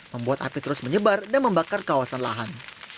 membuat api terus menyebar dan membakar kawasan lahan